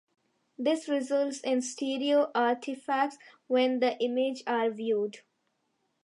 This results in stereo artifacts when the images are viewed.